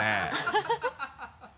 ハハハ